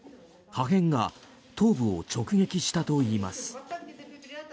破片が頭部を直撃したといいます。